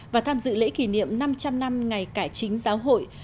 và tham dự lễ kỷ niệm năm trăm linh năm ngày cải chính giáo hội